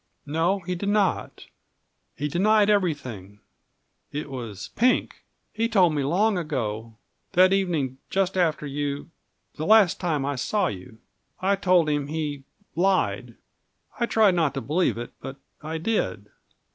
"No, he did not. He denied everything. It was Pink. He told me long ago that evening, just after you the last time I saw you. I told him he lied. I tried not to believe it, but I did.